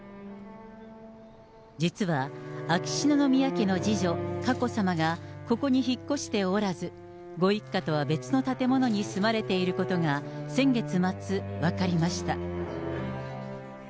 実は、秋篠宮家の次女、佳子さまが、ここに引っ越しておらず、ご一家とは別の建物に住まわれていることが、先月末分かりました。